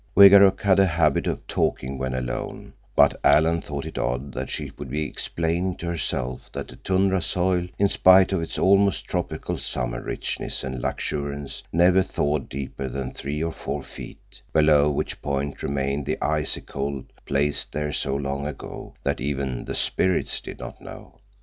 Wegaruk had a habit of talking when alone, but Alan thought it odd that she should be explaining to herself that the tundra soil, in spite of its almost tropical summer richness and luxuriance, never thawed deeper than three or four feet, below which point remained the icy cold placed there so long ago that "even the spirits did not know."